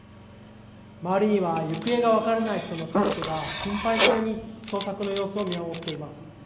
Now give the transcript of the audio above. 周りには行方が分からない人の家族が心配そうに捜索の様子を見守っています。